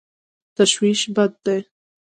تشویش بد دی.